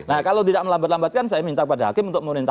nah kalau tidak melambat lambatkan saya minta pada hakim